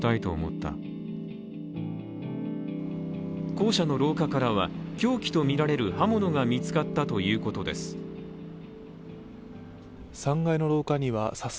校舎の廊下からは、凶器とみられる刃物が見つかったということです。